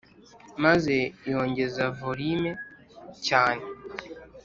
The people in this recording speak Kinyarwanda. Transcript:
maze yongeza volume cyane.